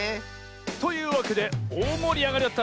というわけでおおもりあがりだった「クイズのだ」